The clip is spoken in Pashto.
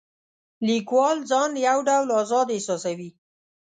لیکوال ځان یو ډول آزاد احساسوي.